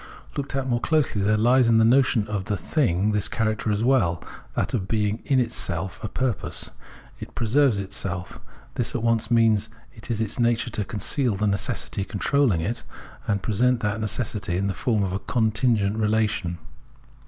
Looked at more closely, there hes in the notion of the thing this character as well :— that of being in itself a purpose. It preserves itself ; this at once means it is its nature to conceal the necessity controlling it, and presents that necessity in the form of a contin gent relation.